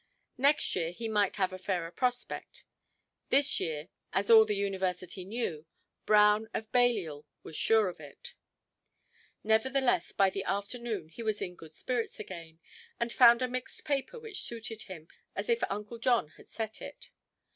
Next year he might have a fairer prospect; this year—as all the University knew—Brown, of Balliol, was sure of it. Nevertheless, by the afternoon he was in good spirits again, and found a mixed paper which suited him as if Uncle John had set it.